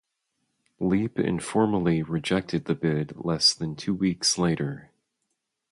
Leap informally rejected the bid less than two weeks later.